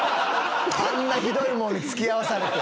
あんなひどいもんに付き合わされて。